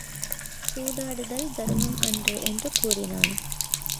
சூதாடுதல் தருமம் அன்று என்று கூறினான்.